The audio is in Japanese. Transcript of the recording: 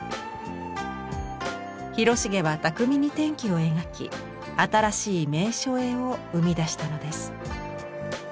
広重は巧みに天気を描き新しい名所絵を生み出したのです。